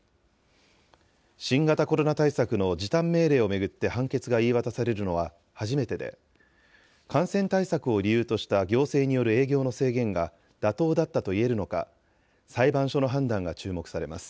新型コロナ対策の時短命令を巡って判決が言い渡されるのは初めてで、感染対策を理由とした行政による営業の制限が妥当だったといえるのか、裁判所の判断が注目されます。